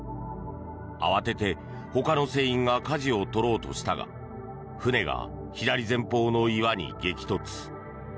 慌てて、ほかの船員がかじを取ろうとしたが船が左前方の岩に激突。